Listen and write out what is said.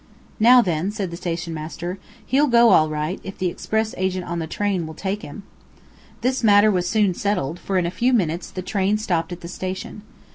"Now then," said the station master, "he'll go all right, if the express agent on the train will take him." This matter was soon settled, for, in a few minutes, the train stopped at the station.